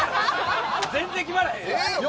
全然決まらへん。